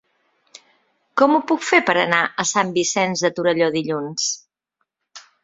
Com ho puc fer per anar a Sant Vicenç de Torelló dilluns?